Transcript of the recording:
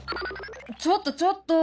ちょっとちょっと！